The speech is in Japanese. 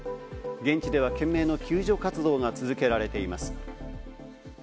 現地では懸命の救助活動が続けられています。